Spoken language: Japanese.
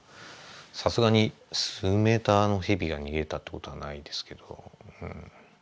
さすがに数メーターのヘビが逃げたってことはないですけど。